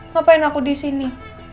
ngapain aku di sini